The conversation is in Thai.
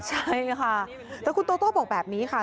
ใช่ค่ะแต่คุณโตโต้บอกแบบนี้ค่ะ